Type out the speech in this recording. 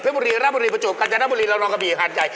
เพ้บุรีรับบุรีประจบกาลจันทร์รับบุรีรับนองกะบี่หาดไก่